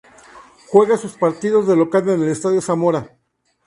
Juega sus partidos de local en el Estadio Zamora.